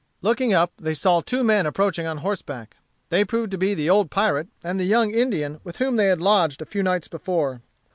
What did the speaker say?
Looking up, they saw two men approaching on horseback. They proved to be the old pirate and the young Indian with whom they had lodged a few nights before.